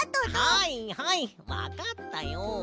はいはいわかったよ。